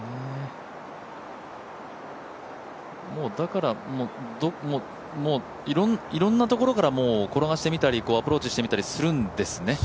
だから、いろんなところから転がしてみたりアプローチしてみたりするんですね。